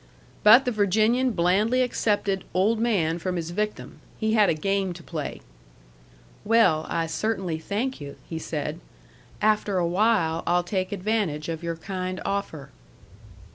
But the Virginian blandly accepted "old man" from his victim: he had a game to play. "Well, I cert'nly thank yu'," he said. "After a while I'll take advantage of your kind offer."